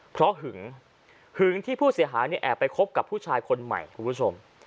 เพราะหึงหึงที่ผู้เสียหายเนี่ยแอบไปคบกับผู้ชายคนใหม่คุณผู้ชม